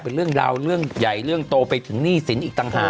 เป็นเรื่องราวเรื่องใหญ่เรื่องโตไปถึงหนี้สินอีกต่างหาก